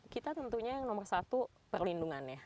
kita tentunya yang nomor satu perlindungannya